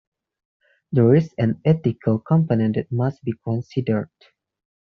There is an ethical component that must be considered.